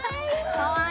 かわいい！